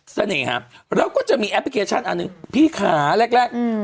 ครับแล้วก็จะมีแอปพลิเคชันอันหนึ่งพี่ขาแรกแรกอืม